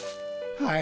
はい！